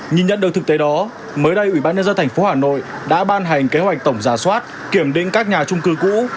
nhìn nhận được thực tế đó mới đây ubnd tp hà nội đã ban hành kế hoạch tổng giả soát kiểm định các nhà trung cư cũ